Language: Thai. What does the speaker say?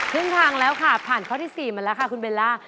ครึ่งทางแล้วค่ะผ่านข้อที่๔มาแล้วค่ะคุณเบลล่า